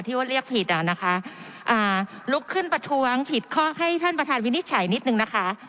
ว่าเรียกผิดอ่ะนะคะลุกขึ้นประท้วงผิดข้อให้ท่านประธานวินิจฉัยนิดนึงนะคะ